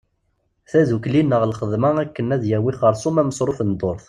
Taddukli neɣ lxedma akken ad yawi xersum amesruf n ddurt.